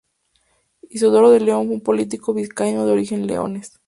Isidoro de León fue un político vizcaíno de origen leones.